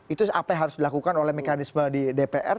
itu apa yang harus dilakukan oleh mekanisme di dpr